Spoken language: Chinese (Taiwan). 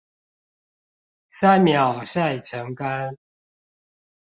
三秒曬成乾